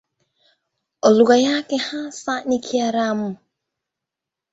Lugha yake hasa ni Kiaramu.